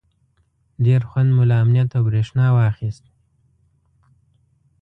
ډېر خوند مو له امنیت او برېښنا واخیست.